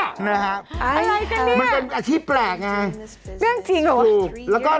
อะไรกันเนี่ยมันเป็นอาชีพแปลกไงถูกแล้วก็